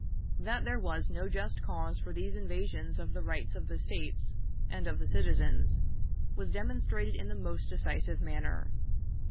That there was no just cause for these invasions of the rights of the States, and of the citizens, was demonstrated in the most decisive manner.